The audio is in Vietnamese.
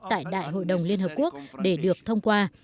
tại đại hội đồng liên hợp quốc để được thông qua